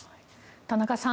田中さん